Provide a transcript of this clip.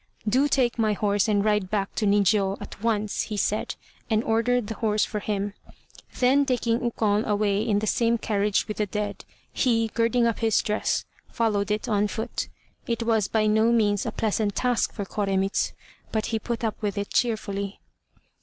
"Do take my horse and ride back to Nijiô at once," he said, and ordered the horse for him. Then taking Ukon away in the same carriage with the dead, he, girding up his dress, followed it on foot. It was by no means a pleasant task for Koremitz, but he put up with it cheerfully.